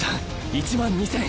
１万２０００。